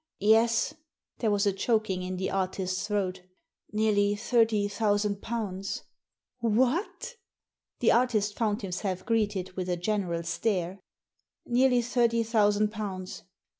" Yes, There was a choking m the artist's throat " Nearly thirty thousand pounds." "What!" The artist found himself greeted with a general stare. Nearly thirty thousand pounds."